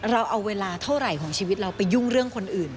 เราเอาเวลาเท่าไหร่ของชีวิตเราไปยุ่งเรื่องคนอื่น